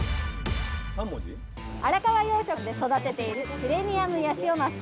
荒川養殖で育てているプレミアムヤシオマス。